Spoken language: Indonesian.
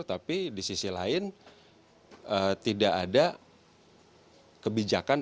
tapi di sisi lain tidak ada kebijakan